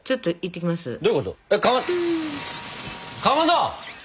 かまど！